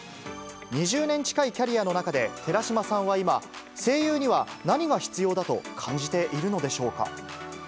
２０年近いキャリアの中で、寺島さんは今、声優には何が必要だと感じているのでしょうか？